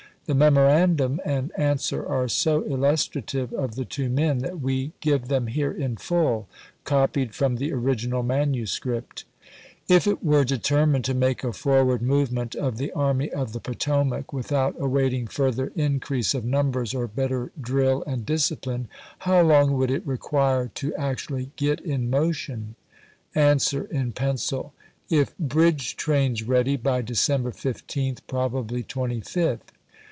The memorandum and answer are so illustrative of the two men that we give them here in full, copied from the original manuscript : If it were determined to make a forward movement of the Army of the Potomac, without awaiting further in crease of numbers or better drill and discipline, how long would it require to actually get in motion? — [An swer, in pencil:] If bridge trains ready, by December 15th — probably 25th.